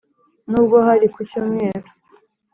N'ubwo hari ku cyumweru